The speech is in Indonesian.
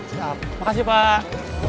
siap makasih pak